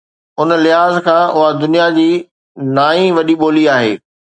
ان لحاظ کان اها دنيا جي نائين وڏي ٻولي آهي